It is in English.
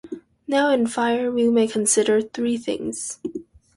Now in fire we may consider three things.